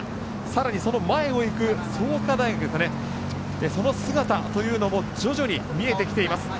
更にその前を行く創価大学の姿も徐々に見えてきています。